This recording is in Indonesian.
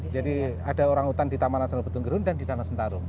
jadi ada orang hutan di taman nasional betung gerihun dan di danau sentarum